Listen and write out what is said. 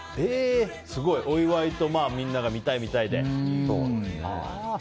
お祝いとみんなが見たい見たいで。